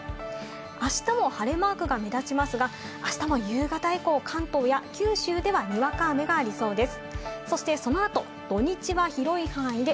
明日も晴れマークが目立ちますが、夕方以降、関東や九州ではにわか雨がありそうです。